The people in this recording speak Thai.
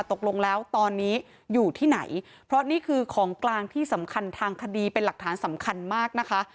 ตกลงแล้วตอนนี้อยู่ที่ไหนเพราะนี่คือของกลางที่สำคัญทางคดีเป็นหลักฐานสำคัญมากนะคะ